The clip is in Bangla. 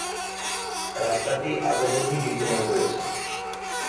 রাস্তাটি আজ অবধি বিদ্যমান রয়েছে।